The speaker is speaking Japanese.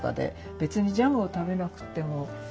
別にジャムを食べなくってもいい。